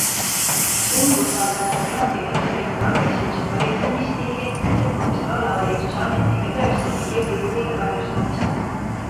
Umbusaldajad on Enokile ette heitnud agressiivset valitsemisstiili, sekkumist vallavalitsuse ametnike töösse ning Jõhvi huvide kahjustamist.